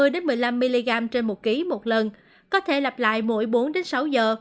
đều một mươi một mươi năm mg trên một ký một lần có thể lặp lại mỗi bốn sáu giờ